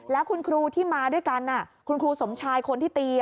แล้วคุณครูที่มาด้วยกันคุณครูสมชายคนที่ตี